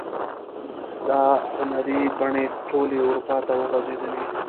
دا هنري بڼې ټولې اروپا ته وغزیدلې.